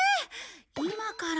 今から？